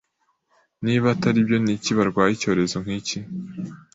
Niba atari byo ni iki barwaye icyorezo nk'iki